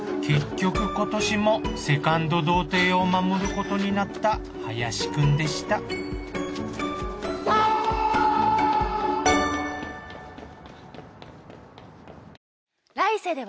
結局今年もセカンド童貞を守ることになった林くんでしたクソ！